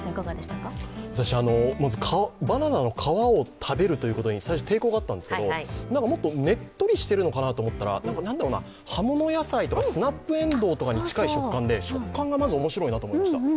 私、まずバナナの皮を食べるということに最初抵抗があったんですけど、もっとねっとりしてるのかなと思ったら葉物野菜とかスナップエンドウとか、食感がまずおもしろいなと思いました。